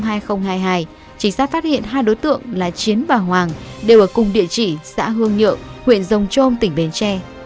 trinh sát phát hiện hai đối tượng là chiến và hoàng đều ở cùng địa chỉ xã hương nhượng huyện rồng trôm tỉnh bến tre